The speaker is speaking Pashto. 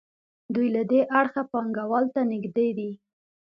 دوی له دې اړخه پانګوال ته نږدې دي.